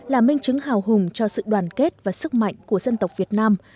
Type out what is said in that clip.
là minh chứng hào hùng cho sự đoàn kết và sức mạnh của dân tộc việt nam